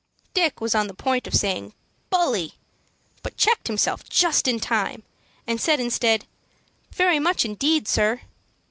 Dick was on the point of saying "Bully," but checked himself just in time, and said instead, "Very much indeed, sir."